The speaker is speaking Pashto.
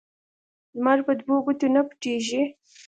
لمر په دوو ګوتو نه پټيږي.